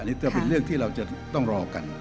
จะเป็นเรื่องที่เราจะต้องรอกัน